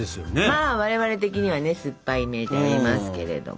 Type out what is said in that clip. まあ我々的にはね酸っぱいイメージがありますけれども。